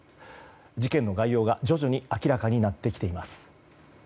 事件の概要が徐々に明らかになってきています。